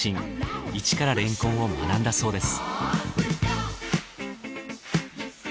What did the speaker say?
一かられんこんを学んだそうです